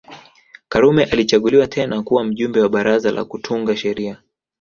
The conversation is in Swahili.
Karume alichaguliwa tena kuwa Mjumbe wa Baraza la Kutunga Sheria